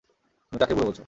তুমি কাকে বুড়ো বলছো?